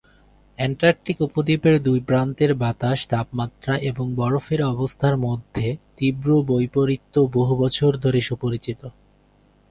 Antarctic উপদ্বীপের দুই প্রান্তের বাতাস, তাপমাত্রা এবং বরফের অবস্থার মধ্যে তীব্র বৈপরীত্য বহু বছর ধরে সুপরিচিত।